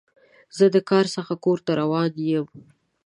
زه د کار څخه کور ته روان یم.